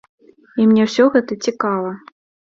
І мне ўсё гэта цікава.